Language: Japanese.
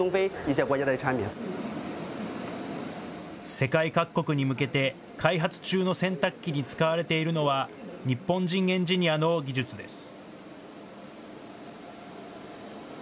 世界各国に向けて、開発中の洗濯機に使われているのは、日本人エンジニアの技術です。